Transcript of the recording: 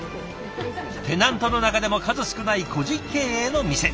テナントの中でも数少ない個人経営の店。